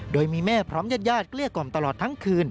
โดยมีแม่พร้อมญาติญาติเกลี้ยกล่อมตลอดทั้งคืน